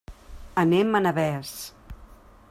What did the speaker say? Anem a Navès.